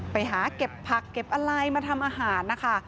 ไปหาเก็บผักเก็บอะไรมาทำอาหารนะคะ